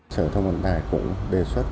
sở thông bản tài cũng đề xuất